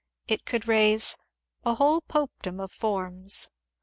It could raise ^^ a whole Popedom of forms."